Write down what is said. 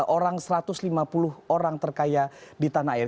tiga orang satu ratus lima puluh orang terkaya di tanah air